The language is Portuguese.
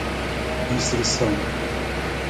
instrução